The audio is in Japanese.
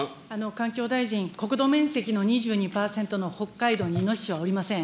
環境大臣、国土面積の２２％の北海道にいのししはおりません。